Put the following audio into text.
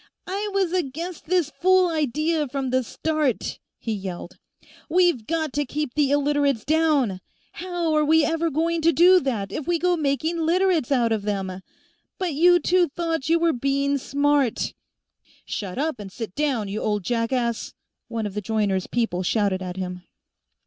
"I was against this fool idea from the start!" he yelled. "We've got to keep the Illiterates down; how are we ever going to do that if we go making Literates out of them? But you two thought you were being smart " "Shut up and sit down, you old jackass!" one of Joyner's people shouted at him.